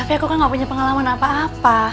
tapi aku kan gak punya pengalaman apa apa